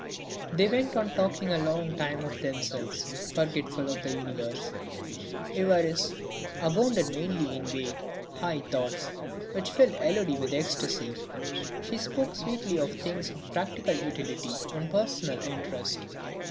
They went on talking a long time of themselves, forgetful of the universe. Évariste abounded mainly in vague, high thoughts, which filled Élodie with ecstasy. She spoke sweetly of things of practical utility and personal interest.